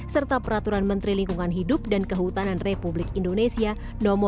serta peraturan menteri lingkungan hidup dan kehutanan republik indonesia no p dua puluh tahun dua ribu delapan belas